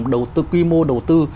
đầu tư quy mô đầu tư